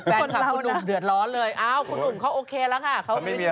แฟนคลับคุณหนุ่มเดือดร้อนเลยอ้าวคุณหนุ่มเขาโอเคแล้วค่ะ